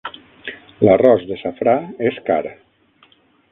L'arròs de safrà és car.